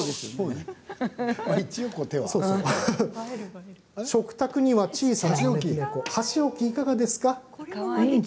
そして食卓には小さな招き猫箸置きいかがですか？